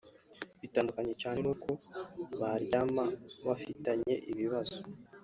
bitandukanye cyane n’uko baryama bafitanye ibibazo